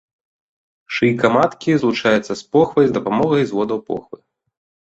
Шыйка маткі злучаецца з похвай з дапамогай зводаў похвы.